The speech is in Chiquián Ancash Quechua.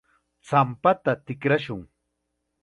champata tikrashun.